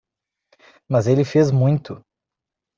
Mas ele fez muito.